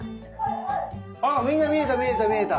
ああみんな見えた見えた見えた。